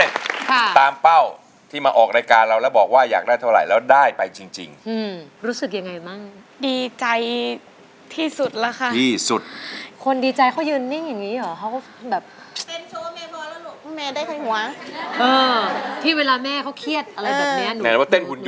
จะสู้หรือจะหยุด